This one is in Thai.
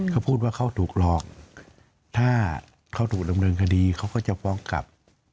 เขาพูดว่าเขาถูกหลอกถ้าเขาถูกดำเนินคดีเขาก็จะฟ้องกลับ